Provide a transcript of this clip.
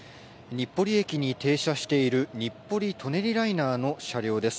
日暮里駅に停車している日暮里・舎人ライナーの車両です。